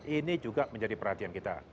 ini juga menjadi perhatian kita